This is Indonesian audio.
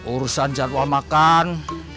urusan jadwal makan